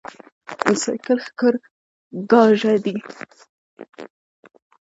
د سايکل ښکر کاژه دي